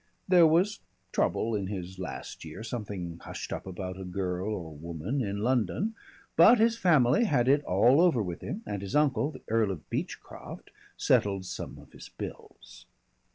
There was trouble in his last year, something hushed up about a girl or woman in London, but his family had it all over with him, and his uncle, the Earl of Beechcroft, settled some of his bills.